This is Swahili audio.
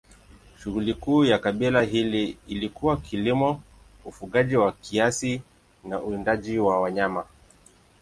Shughuli kuu ya kabila hili ilikuwa kilimo, ufugaji kwa kiasi na uwindaji wa wanyama.